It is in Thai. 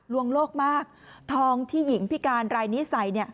วงโลกมากทองที่หญิงพิการรายนี้ใส่เนี่ย